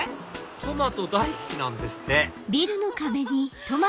トマト大好きなんですってアハハハ！